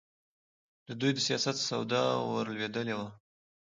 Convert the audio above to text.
دوی د سیاست سودا ورلوېدلې وه.